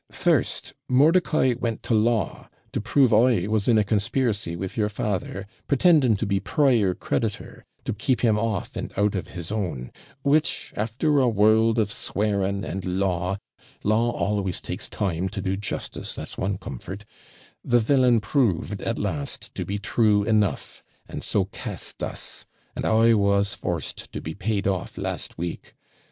First, Mordicai went to law, to prove I was in a conspiracy with your father, pretending to be prior creditor, to keep him off and out of his own; which, after a world of swearing and law law always takes time to do justice, that's one comfort the villain proved at last to be true enough, and so cast us; and I was forced to be paid off last week.